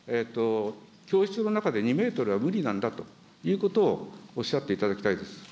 教室の中で２メートルは無理なんだということをおっしゃっていただきたいです。